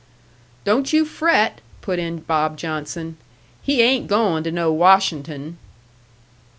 "Don't you fret," put in Bob Johnson "he ain't goin' to no Washin'ton."